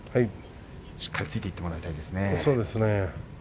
しっかりついていってもらいたいそうですね。